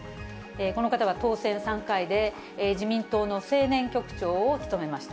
この方は当選３回で、自民党の青年局長を務めました。